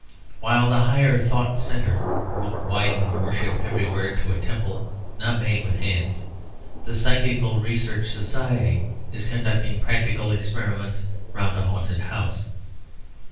While the Higher Thought Centre would widen worship everywhere to a temple not made with hands, the Psychical Research Society is conducting practical experiments round a haunted house.